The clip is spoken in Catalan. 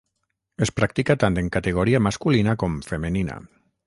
Es practica tant en categoria masculina com femenina.